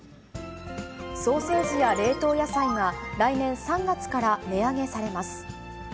ソーセージや冷凍野菜が来年３月から値上げされます。